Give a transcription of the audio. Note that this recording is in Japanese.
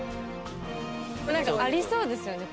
何かありそうですよね